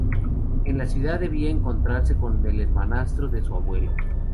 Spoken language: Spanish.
En la ciudad debía encontrarse con el hermanastro de su abuelo.